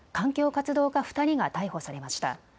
活動家２人が逮捕されました。